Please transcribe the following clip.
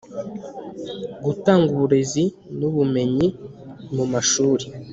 Gutanga uburezi n ubumenyi mu mashuri